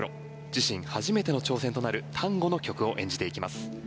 自身初めての挑戦となるタンゴの曲を演じていきます。